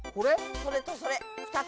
それとそれ２つ。